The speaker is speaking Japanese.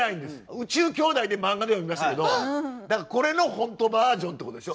「宇宙兄弟」で漫画では見ましたけどこれの本当バージョンってことでしょ？